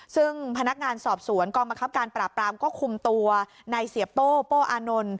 ซึ่งพนักงานสอบสวนกองบังคับการปราบปรามก็คุมตัวในเสียโป้โป้อานนท์